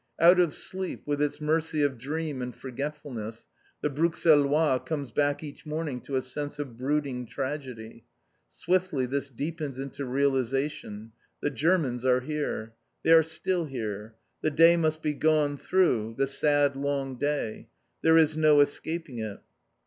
Out of sleep, with its mercy of dream and forgetfulness, the Bruxellois comes back each morning to a sense of brooding tragedy. Swiftly this deepens into realization. The Germans are here. They are still here. The day must be gone through, the sad long day. There is no escaping it.